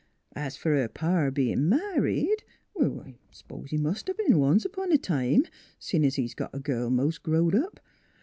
As fer her pa bein' married, I s'pose he must 'a' b'en once upon a time, seein' he's got a girl mos' growed up.